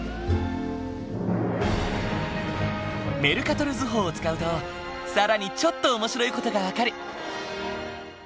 メルカトル図法を使うと更にちょっと面白い事が分かる。